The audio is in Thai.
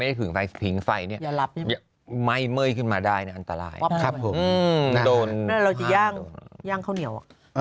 ไม่ได้ผิงไฟผิงไฟนี่ไม่เมื่อยขึ้นมาได้น่ะอันตรายครับผมโดนเราจะย่างข้าวเหนียว